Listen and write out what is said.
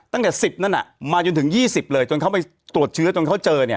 ตั้งแต่๑๐นั้นมาจนถึง๒๐เลยจนเขาไปตรวจเชื้อจนเขาเจอเนี่ย